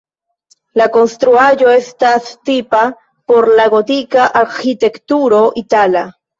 La konstruaĵo estas tipa por la gotika arĥitekturo itala.